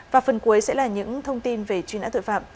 và phần cuối sẽ là những thông tin về chuyên án tội phạm